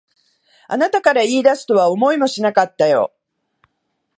あなたから言い出すとは思いもしなかったよ。